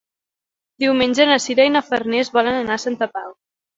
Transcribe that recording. Diumenge na Sira i na Farners volen anar a Santa Pau.